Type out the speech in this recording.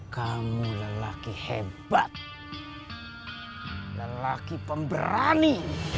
kamu lelaki hebat lelaki pemberani